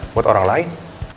buat orang lain